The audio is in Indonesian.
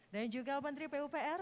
dan juga menteri pupr